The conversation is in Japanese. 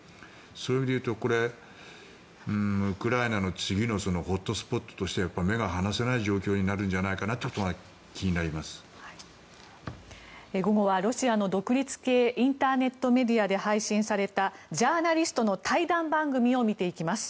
そういう意味でいうとウクライナの次のホットスポットとして目が離せない状況になるんじゃないかなということが午後はロシアの独立系インターネットメディアで配信されたジャーナリストの対談番組を見ていきます。